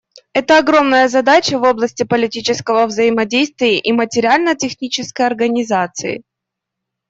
Это огромная задача в области политического взаимодействия и материально-технической организации.